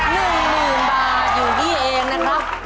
๑๑๐๐๐บาทอยู่นี่เองนะครับ